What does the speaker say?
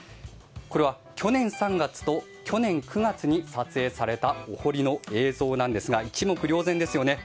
去年３月と去年９月に撮影されたお堀の映像ですが一目瞭然ですよね。